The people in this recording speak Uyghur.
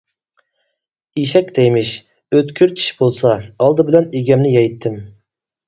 ئېشەك دەيمىش:ئۆتكۈر چىش بولسا، ئالدى بىلەن ئىگەمنى يەيتتىم.